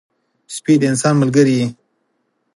سپي د انسان ملګری وي.